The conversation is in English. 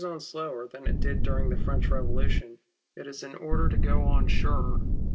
on slower than it did during the French Revolution, it is in order to go on surer.